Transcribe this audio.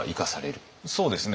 そうですね。